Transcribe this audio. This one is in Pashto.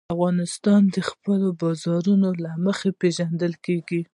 افغانستان د خپلو بارانونو له مخې پېژندل کېږي.